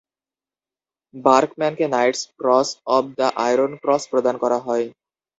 বার্কম্যানকে Knight's cross of the iron cross প্রদান করা হয়।